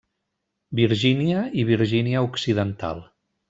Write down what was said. Virgínia i Virgínia Occidental.